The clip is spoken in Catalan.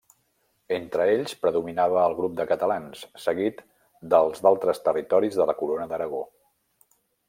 Entre ells, predominava el grup de catalans, seguit dels d'altres territoris de la Corona d'Aragó.